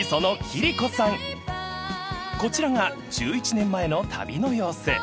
［こちらが１１年前の旅の様子］